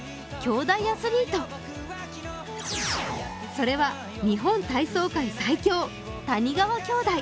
それは日本体操界最強・谷川兄弟。